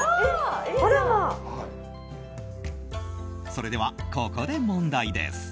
それでは、ここで問題です。